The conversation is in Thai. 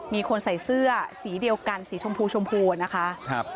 มีคนใส่เสื้อสีเดียวกันสีชมพูชมพูนะคะ